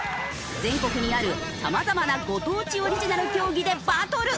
全国にある様々なご当地オリジナル競技でバトル！